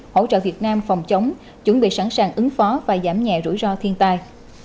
hỗ trợ việt nam phòng chống chuẩn bị sẵn sàng ứng phó và giảm nhẹ rủi ro thiên tai